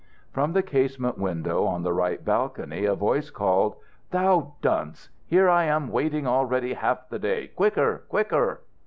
From the casement window in the right balcony a voice called: "Thou dunce! Here I am waiting already half the day. Quicker! quicker!"